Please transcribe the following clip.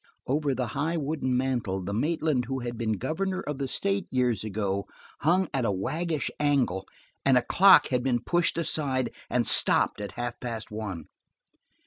Over the high wooden mantel the Maitland who had been governor of the state years ago hung at a waggish angle, and a clock had been pushed aside and stopped at half past one.